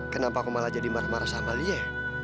kenapa aku malah jadi marah marah sama lie